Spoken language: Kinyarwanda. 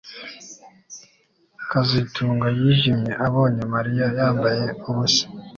kazitunga yijimye abonye Mariya yambaye ubusa